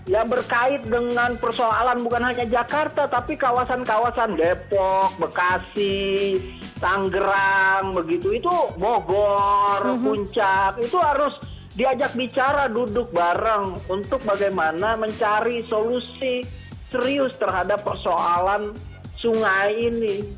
ya berkait dengan persoalan bukan hanya jakarta tapi kawasan kawasan depok bekasi tanggerang begitu itu bogor puncak itu harus diajak bicara duduk bareng untuk bagaimana mencari solusi serius terhadap persoalan sungai ini